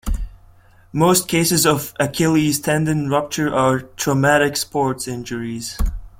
Most cases of Achilles tendon rupture are traumatic sports injuries.